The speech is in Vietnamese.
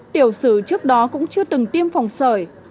tiểu sử trước đó cũng chưa từng tiêm phòng sởi